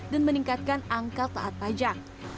dan meningkatkan angka taat pajak